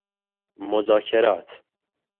مذاکرات